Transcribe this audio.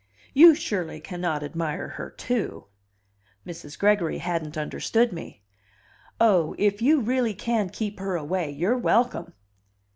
"You surely cannot admire her, too?" Mrs. Gregory hadn't understood me. "Oh, if you really can keep her away, you're welcome!"